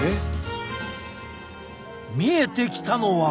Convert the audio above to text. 見えてきたのは。